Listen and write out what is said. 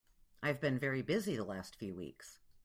I've been very busy the last few weeks.